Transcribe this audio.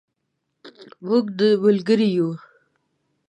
مونږ ملګري یو